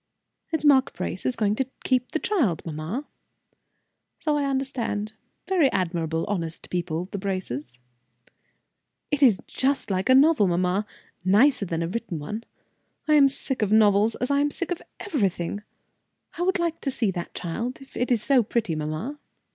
"And Mark Brace is going to keep the child, mamma?" "So I understand. Very admirable, honest people, the Braces." "It is just like a novel, mamma nicer than a written one. I am sick of novels, as I am sick of everything. I would like to see that child, if it is so pretty, mamma."